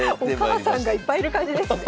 お母さんがいっぱいいる感じですね。